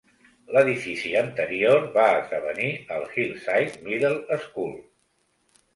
L'edifici anterior va esdevenir el Hillside Middle School.